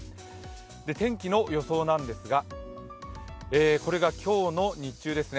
天気の予想なんですが、これが今日の日中ですね。